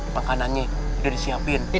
maka di sini